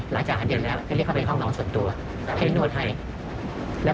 หลังจากเย็นแล้วก็ทหารเลยก็ไปแล้ว